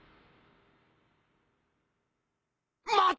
待て！